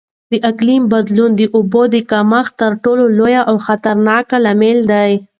د اقلیم بدلون د اوبو د کمښت تر ټولو لوی او خطرناک لامل دی.